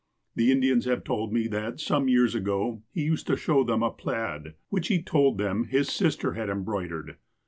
The Indians have told me that, some years ago, he used to show them a plaid which he told them his sister had embroidered.